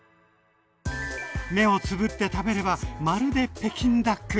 目をつぶって食べればまるで北京ダック！